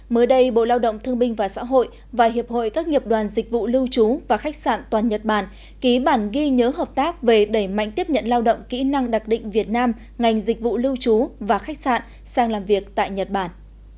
mới đây bộ lao động thương binh và xã hội và hiệp hội các nghiệp đoàn dịch vụ lưu trú và khách sạn toàn nhật bản ký bản ghi nhớ hợp tác về đẩy mạnh tiếp nhận lao động kỹ năng đặc định việt nam ngành dịch vụ lưu trú và khách sạn sang làm việc tại nhật bản